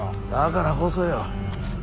だからこそよ。